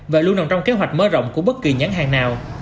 và luôn nằm trong kế hoạch mở rộng của bất kỳ nhãn hàng nào